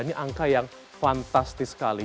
ini angka yang fantastis sekali